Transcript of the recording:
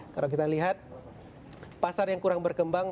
kalau kita lihat pasar yang kurang berkembang